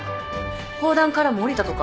法壇からもおりたとか？